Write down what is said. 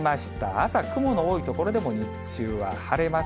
朝、雲の多い所でも日中は晴れます。